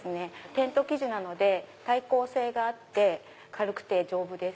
テント生地なので耐候性があって軽くて丈夫です。